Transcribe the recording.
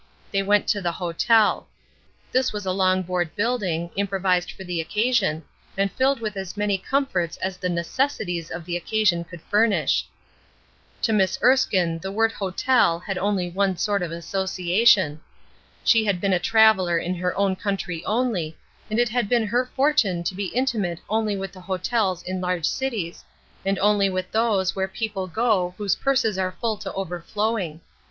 They went to the "hotel." This was a long board building, improvised for the occasion, and filled with as many comforts as the necessities of the occasion could furnish. To Miss Erskine the word "hotel" had only one sort of association. She had been a traveler in her own country only, and it had been her fortune to be intimate only with the hotels in large cities, and only with those where people go whose purses are full to overflowing.